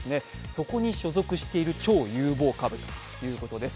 そこに所属している超有望株ということです。